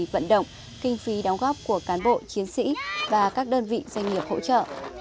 vận động kinh phí đóng góp của cán bộ chiến sĩ và các đơn vị doanh nghiệp hỗ trợ